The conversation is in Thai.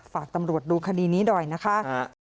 ฝากตำรวจดูคดีนี้หน่อยนะคะ